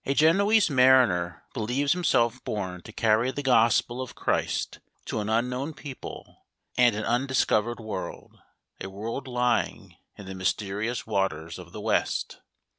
GENOESE mariner believes himself born to ^^ carry the gospel of Christ to an unknown people and an undiscovered world, a world lying in the myste rious waters of the West.